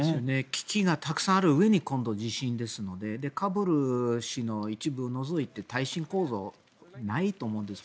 危機がたくさんあるうえに今度、地震ですのでカブールの一部の地域を除いて耐震構造はないと思うんです。